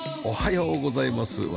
おはようございます。